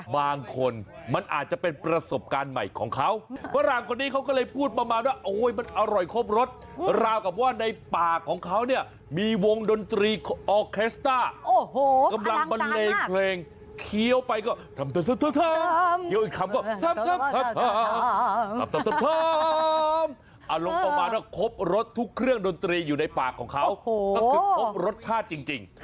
ทุกเครื่องดนตรีอยู่ในปากของเขาก็คือครบรสชาติจริง